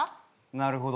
なるほど。